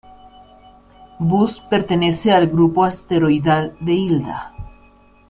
Bus pertenece al grupo asteroidal de Hilda.